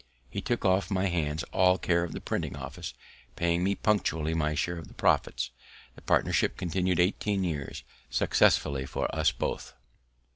He took off my hands all care of the printing office, paying me punctually my share of the profits. The partnership continued eighteen years, successfully for us both.